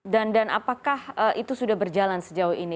dan apakah itu sudah berjalan sejauh ini